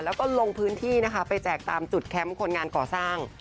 แล้วก็ลงพื้นที่นะคะไปแจกตามจุดแคมป์คนงานก่อสร้าง